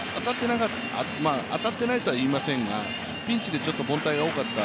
当たっていないとはいいませんが、ピンチで凡退が多かった。